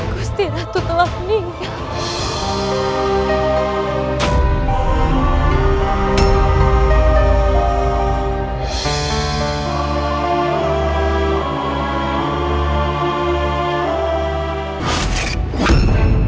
kustihan itu telah meninggal